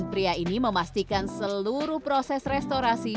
pria ini memastikan seluruh proses restorasi